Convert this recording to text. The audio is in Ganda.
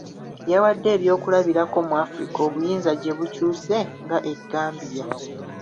Yawade ebyokulabirako mu Africa obuyinza gye bukyuse nga e Gambia.